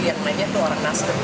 yang mainnya tuh orang nasdem